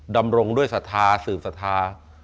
ดำรงด้วยสถาสืบสถา